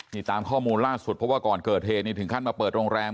นี่ตามข้อมูลล่าสุดเพราะว่าก่อนเกิดเหตุนี่ถึงขั้นมาเปิดโรงแรม